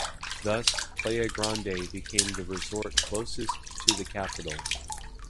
Thus, Playa Grande became the resort closest to the capital.